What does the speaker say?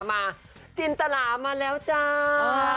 มาจินตลามาแล้วจ้า